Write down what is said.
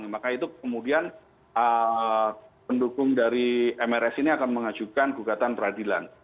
maka itu kemudian pendukung dari mrs ini akan mengajukan gugatan peradilan